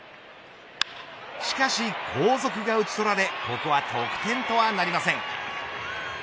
しかし、後続が打ち取られここは得点とはなりません。